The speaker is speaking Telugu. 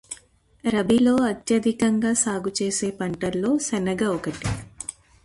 రబీలో అత్యధికంగా సాగు చేసే పంటల్లో శనగ ఒక్కటి.